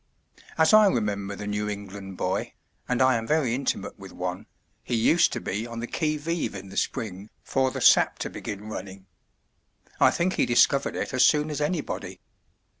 As I remember the New England boy (and I am very intimate with one), he used to be on the qui vive in the spring for the sap to begin running. I think he discovered it as soon as any body.